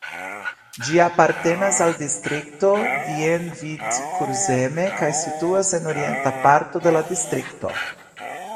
Ĝi apartenas al distrikto Dienvidkurzeme kaj situas en orienta parto de la distrikto.